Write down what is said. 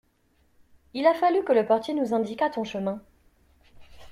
Il a fallu que le portier nous indiquât ton chemin.